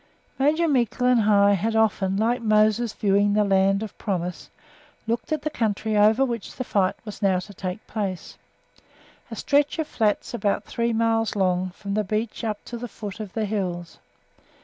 Major Meikle and I had often, like Moses viewing the Land of Promise, looked at the country over which the fight was now to take place a stretch of flats about three miles long, from the beach up to the foot of the hills.